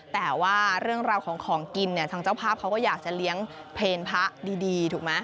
แต่ว่าเรื่องราวของของกินเนี่ยทางเจ้าภาพเขาก็อยากจะเลี้ยงเพลพระดีถูกไหม